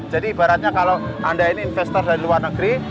jadi ibaratnya kalau anda ini investor dari luar negeri